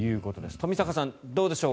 冨坂さん、どうでしょう。